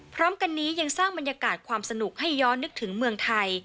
พร้อมกันนี้ยังสร้างบรรยากาศความสนุกให้ย้อนนึกถึงเมืองไทย